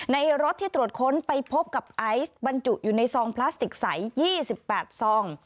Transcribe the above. ในรถที่ตรวจค้นไปพบกับไอซ์บรรจุอยู่ในซองพลาสติกใส๒๘ซอง